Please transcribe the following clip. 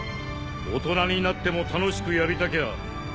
大人になっても楽しくやりたきゃ